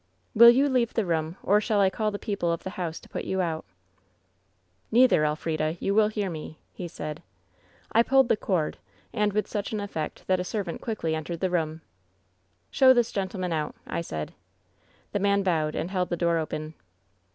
" 'Will you leave the room, or shall I call the people of the house to put you out V " 'Neither, Elfrida. You will hear me,' he said. "I pulled the cord, and with such effect that a servant quickly entered the room. " 'Show this gentleman out,' I said. "The man bowed and held the door open.